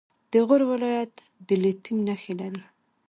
د غور ولایت د لیتیم نښې لري.